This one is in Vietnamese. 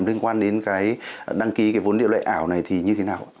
liên quan đến đăng ký vốn liệu lệ ảo này thì như thế nào